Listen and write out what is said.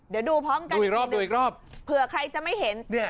เดี๋ยวดูพร้อมกันอีกรอบดูอีกรอบเผื่อใครจะไม่เห็น